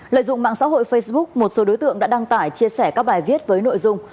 lợi dụng mạng xã hội facebook một số đối tượng đã đăng tải chia sẻ các bài viết với nội dung